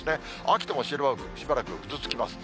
秋田もしばらくぐずつきます。